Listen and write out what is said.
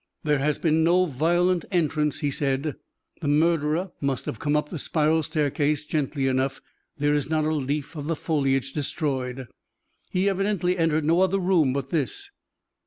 "There has been no violent entrance," he said; "the murderer must have come up the spiral staircase gently enough, there is not a leaf of the foliage destroyed! he evidently entered no other room but this.